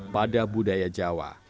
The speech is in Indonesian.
pada budaya jawa